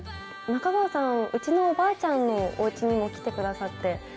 中川さんうちのおばあちゃんのおうちにも来てくださって。